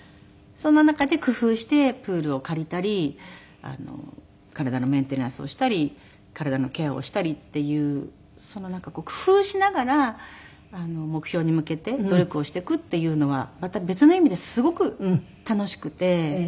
そんな中で工夫してプールを借りたり体のメンテナンスをしたり体のケアをしたりっていうそのなんか工夫しながら目標に向けて努力をしていくっていうのはまた別の意味ですごく楽しくて。